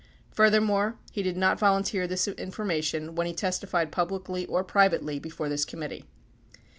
Furthermore, he did not volunteer this information when he testified publicly or privately before this committee.